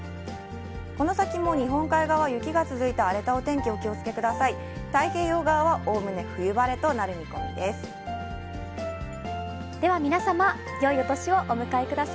この先も日本海側、雪が続いて、荒れたお天気、お気をつけくださ